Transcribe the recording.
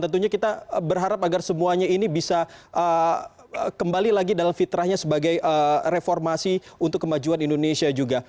tentunya kita berharap agar semuanya ini bisa kembali lagi dalam fitrahnya sebagai reformasi untuk kemajuan indonesia juga